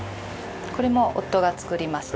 これも夫が作りました。